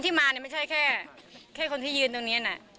คนที่มาไม่ใช่แค่คนที่ยืนตรงนี้